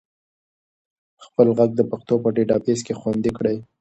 خپل ږغ د پښتو په ډیټابیس کې خوندي کړئ.